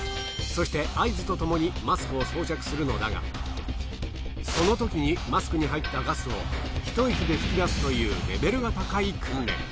そして合図とともにマスクを装着するのだがそのときにマスクに入ったガスを一息で吹きだすというレベルが高い訓練。